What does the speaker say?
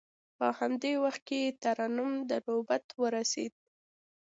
په همدې وخت کې ترنم ته نوبت ورسید.